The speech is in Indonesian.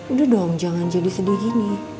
udah dong jangan jadi sedih gini